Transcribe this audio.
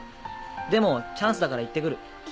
でもチャンスだから行って来る。